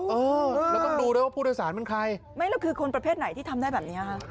เออแล้วต้องดูด้วยว่าผู้โดยสารเป็นใครไม่แล้วคือคนประเภทไหนที่ทำได้แบบนี้ค่ะ